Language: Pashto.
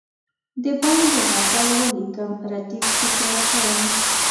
د باندي غزل ولیکم ردیف تکرار شوی.